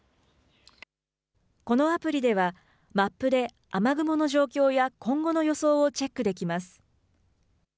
このアプリでは、マップで雨雲の状況や今後の予想をチェックできます。